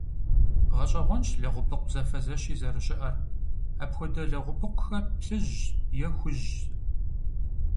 Гъэщӏэгъуэнщ лэгъупыкъу зэфэзэщи зэрыщыӏэр, апхуэдэ лэгъупыкъухэр плъыжьщ е хужьщ.